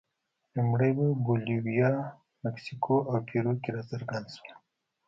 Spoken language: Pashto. لومړی په بولیویا، مکسیکو او پیرو کې راڅرګند شول.